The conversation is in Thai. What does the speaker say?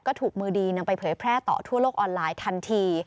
ก็ถูกมือดีนำไปเผยแพร่ต่อทั่วโลกออนไลน์ทันที